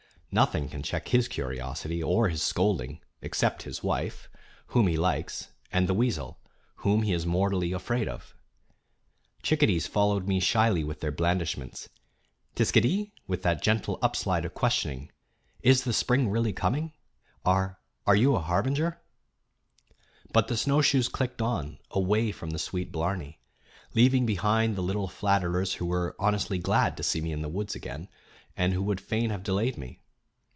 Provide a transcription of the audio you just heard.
Nothing can check his curiosity or his scolding except his wife, whom he likes, and the weasel, whom he is mortally afraid of. Chickadees followed me shyly with their blandishments tsic a deeee? with that gentle up slide of questioning. "Is the spring really coming? Are are you a harbinger?" But the snowshoes clicked on, away from the sweet blarney, Leaving behind the little flatterers who were honestly glad to see me in the woods again, and who would fain have delayed me.